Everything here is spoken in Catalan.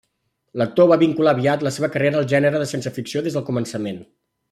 L'actor va vincular aviat la seva carrera al gènere de ciència-ficció des del començament.